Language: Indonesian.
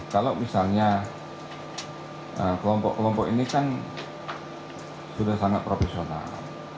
kalau misalnya kelompok kelompok ini kan sudah sangat profesional